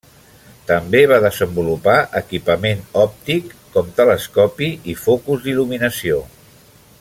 També va desenvolupar equipament òptic com telescopi i focus d'il·luminació.